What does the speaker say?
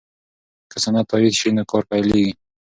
که سند تایید شي نو کار پیلیږي.